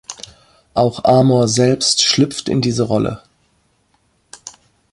Auch Amor selbst schlüpft in diese Rolle.